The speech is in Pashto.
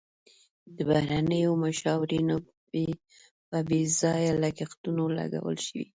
د بهرنیو مشاورینو په بې ځایه لګښتونو لګول شوي.